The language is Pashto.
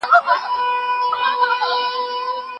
ښايي بیرته سي راپورته او لا پیل کړي سفرونه